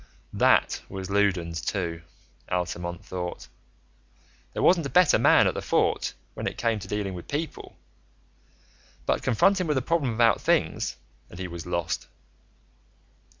That was Loudons, too, Altamont thought. There wasn't a better man at the Fort, when it came to dealing with people. But confront him with a problem about things and he was lost.